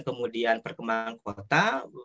dan kemudian perkembangan kota